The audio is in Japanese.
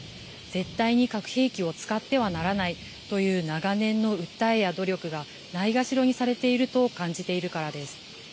絶対に核兵器を使ってはならないという、長年の訴えや努力がないがしろにされていると感じているからです。